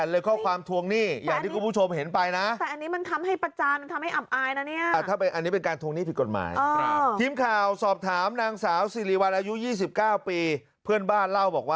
ดูวิสุทธิ์บ้านเหรอ